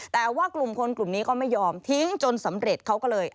แต่ว่ากลุ่มคนกลุ่มนี้ก็ไม่ยอมทิ้งจนสำเร็จเขาก็เลย